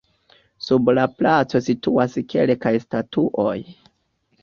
Sur la placo situas kelkaj statuoj.